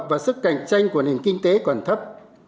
và sức cạnh tranh của nền kinh tế còn thấp